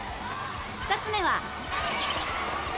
２つ目は